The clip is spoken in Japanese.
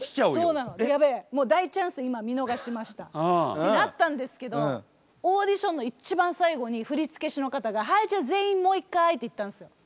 そうなのやべえもう大チャンス今見逃しましたってなったんですけどオーディションの一番最後に振付師の方がはいじゃあ全員もう一回って言ったんですよ。